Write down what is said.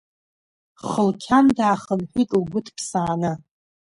Хылқьан даахынҳәит, лгәы ҭԥсааны.